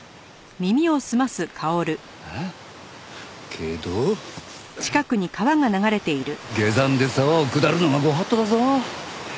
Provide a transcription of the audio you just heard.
けど下山で沢を下るのは御法度だぞ。